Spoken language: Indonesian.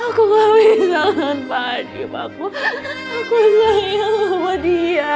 aku gak bisa dengan pak haji pak aku sayang sama dia